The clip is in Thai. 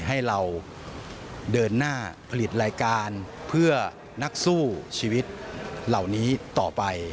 ให้เราเดินหน้าผลิตรายการเพื่อนักสู้ชีวิตเหล่านี้ต่อไป